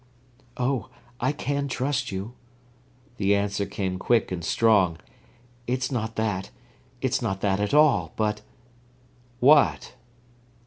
"Oh, I can trust you." The answer came quick and strong. "It's not that—it's not that at all—but—" "What?"